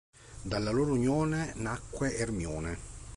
Dalla loro unione nacque Ermione.